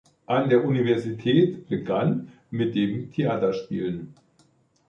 An der Universität begann mit dem Theaterspielen.